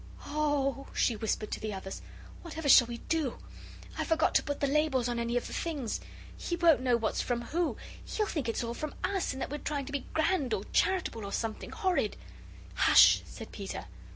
"Oh!" she whispered to the others, "whatever shall we do? I forgot to put the labels on any of the things! He won't know what's from who. He'll think it's all US, and that we're trying to be grand or charitable or something horrid." "Hush!" said Peter.